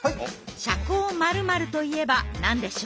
社交○○といえば何でしょう？